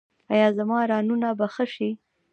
ایا زما رانونه به ښه شي؟